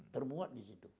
termuat di situ